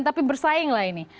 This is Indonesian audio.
tapi bersaing lah ini